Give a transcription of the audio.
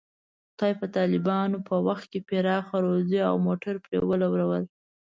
خدای په طالبانو په وخت کې پراخه روزي او موټر پرې ولورول.